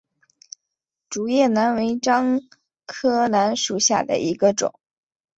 竹叶楠为樟科楠属下的一个种。